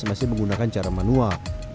masih menggunakan cara manual